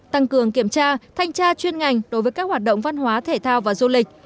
tăng cường kiểm tra thanh tra chuyên ngành đối với các hoạt động văn hóa thể thao và du lịch